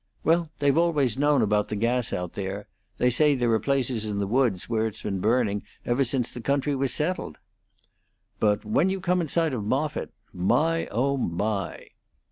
Well, they've always known about the gas out there; they say there are places in the woods where it's been burning ever since the country was settled. "But when you come in sight of Moffitt my, oh, my!